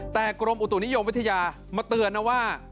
แต่กรมอุตุนิยมวิทยามาเตือนนะว่า